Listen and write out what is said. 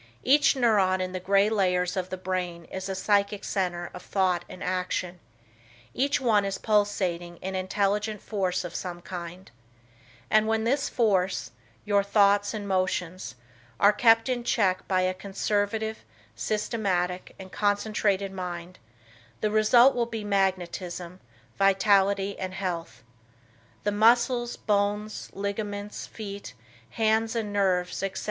Each neuron in the gray layers of the brain is a psychic center of thought and action, each one is pulsating an intelligent force of some kind, and when this force, your thoughts and motions, are kept in cheek by a conservative, systematic and concentrated mind, the result will be magnetism, vitality and health. The muscles, bones, ligaments, feet, hands and nerves, etc.